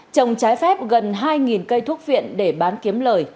trồng trái phép gần hai cây thuốc viện để bán kiếm lời